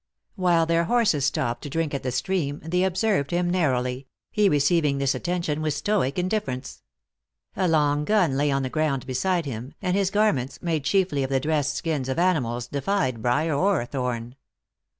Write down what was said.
While their horses stopped to drink at the stream, they observed him narrowly he receiving this attention with stoic indifference. A long gun lay on the ground beside him, and his gar ments, made chiefly of the dressed skins of animals, defied brier or thorn.